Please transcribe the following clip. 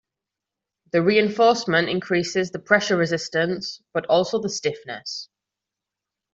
The reinforcement increases the pressure resistance but also the stiffness.